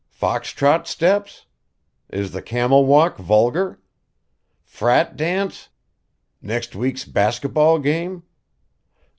Foxtrot steps? Is the camel walk vulgar? Frat dance? Next week's basketball game?